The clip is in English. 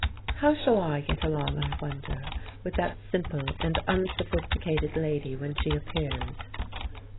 "How shall I get along, I wonder, with that simple and unsophisticated lady when she appears?"